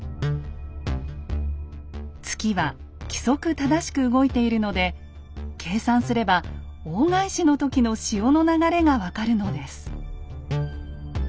月は規則正しく動いているので計算すれば大返しの時の潮の流れがわかるのです。